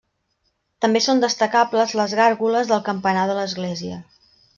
També són destacables les gàrgoles del campanar de l'església.